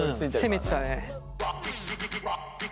攻めてたね。